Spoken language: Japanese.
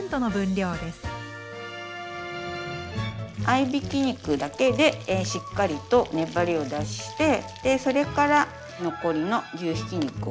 合いびき肉だけでしっかりと粘りを出してそれから残りの牛ひき肉を加えますね。